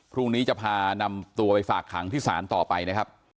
พรุ่งนี้จะพานำตัวไปฝากขังที่ศาลต่อไปนะครับ